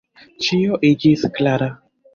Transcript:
Ĉio iĝis klara.